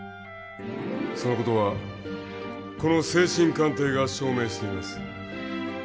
その事はこの精神鑑定が証明しています。